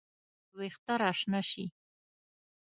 وېښته راشنه شي